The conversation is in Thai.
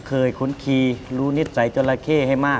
เคยคุ้นคีย์รู้นิตใส่จราเข้ให้มาก